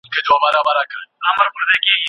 څنګه عدالت راسي؟